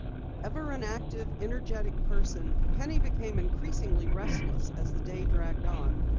Ever an active, energetic person, Penny became increasingly restless as the day dragged on.